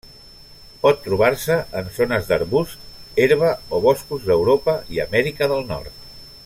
Pot trobar-se en zones d'arbusts, herba o boscos d'Europa i Amèrica del Nord.